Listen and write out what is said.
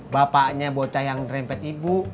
bapaknya bocah yang rempet ibu